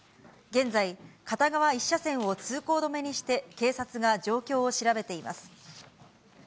現在、片側１車線を通行止めにして、警察が状況を調べています。